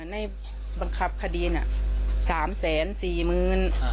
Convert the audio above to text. ในบังคับคดีน่ะ๓๔๐๐๐บาท